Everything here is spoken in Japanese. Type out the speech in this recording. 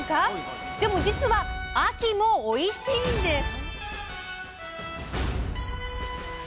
でも実は秋もおいしいんです！